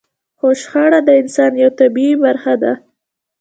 خو شخړه د انسان يوه طبيعي برخه ده.